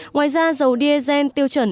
ngoài ra dầu diesel tiêu chuẩn